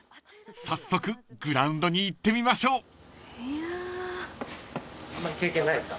［早速グラウンドに行ってみましょう］